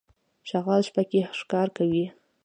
شغال شپه کې ښکار کوي.